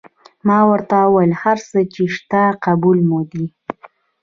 ما ورته وویل: هر څه چې شته قبول مو دي.